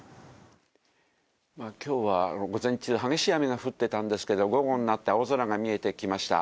きょうは午前中、激しい雨が降ってたんですけど、午後になって青空が見えてきました。